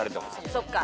そっか。